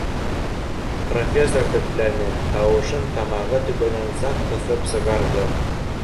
Профессор тертләне, тауышын тамағы төбөнән саҡ ҡыҫып сыгарҙы: